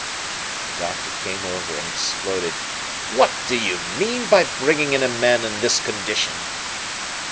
The doctor came over and exploded, "What do you mean by bringing in a man in this condition?"